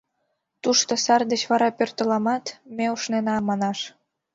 Тушто «Сар деч вара пӧртыламат, ме ушнена» манаш».